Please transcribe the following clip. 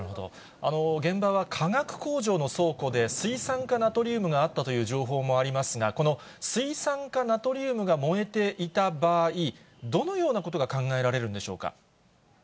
現場は化学工場の倉庫で、水酸化ナトリウムがあったという情報もありますが、この水酸化ナトリウムが燃えていた場合、どのようなことが考えられるんでしょうか。